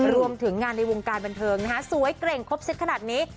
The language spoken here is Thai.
รวมถึงงานในวงการบันเทิงนะฮะสวยเกร็งครบเซตขนาดนี้